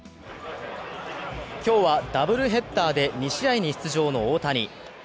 今日はダブルヘッダーで、２試合に出場の大谷。